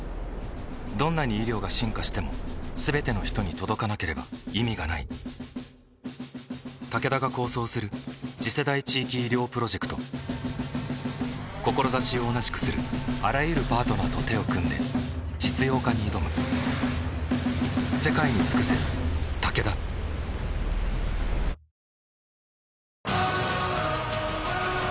どんなに医療が進化しても全ての人に届かなければ意味がないタケダが構想する次世代地域医療プロジェクト志を同じくするあらゆるパートナーと手を組んで実用化に挑むえっ！！